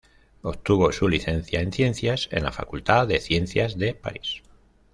Obtuvo su licencia en ciencias en la Facultad de Ciencias de París.